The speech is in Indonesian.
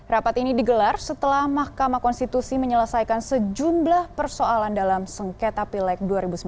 rapat ini digelar setelah mahkamah konstitusi menyelesaikan sejumlah persoalan dalam sengketa pilek dua ribu sembilan belas